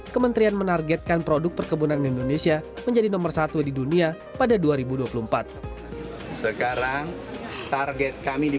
kementerian menargetkan produk perkebunan indonesia menjadi nomor satu di dunia pada dua ribu dua puluh empat